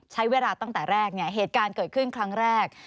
ใช้เวลาตั้งแต่แรกเหตุการณ์เกิดขึ้นครั้งแรก